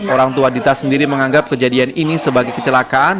orang tua dita sendiri menganggap kejadian ini sebagai kecelakaan